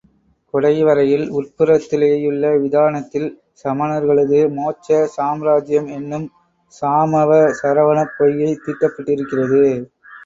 குடைவரையில் உட்புறத்திலேயுள்ள விதானத்தில் சமணர்களது மோட்ச சாம்ராஜ்யம் என்னும் சாமவ சரவணப் பொய்கை தீட்டப்பட்டிருக்கிறது.